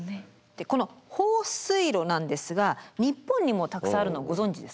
でこの放水路なんですが日本にもたくさんあるのご存じですか？